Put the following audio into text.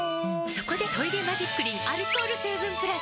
そこで「トイレマジックリン」アルコール成分プラス！